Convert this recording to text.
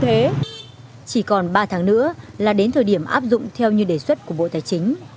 hóa đơn điện tử đã được áp dụng theo như đề xuất của bộ tài chính